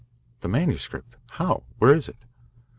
"The manuscript? How? Where is it?"